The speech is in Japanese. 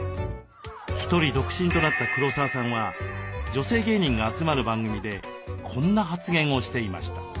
ひとり独身となった黒沢さんは女性芸人が集まる番組でこんな発言をしていました。